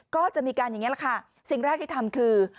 ก็จะมีการอย่างนี้แหละค่ะสิ่งแรกที่ทำคือ